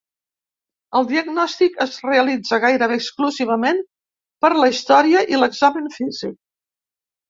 El diagnòstic es realitza gairebé exclusivament per la història i l'examen físic.